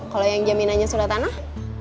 kalau yang jaminannya surat tanah